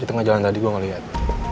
di tengah jalan tadi gue ngeliat